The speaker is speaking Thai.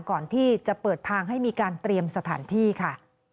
ก่อนที่จะเปิดทางให้มีการเตรียมสถานที่ค่ะ